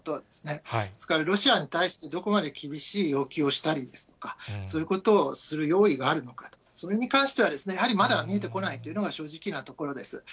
ですから、ロシアに対して、どこまで厳しい要求をしたりですとか、そういうことをする用意があるのか、それに関しては、やはりまだ、見えてこないというのが正直なところです。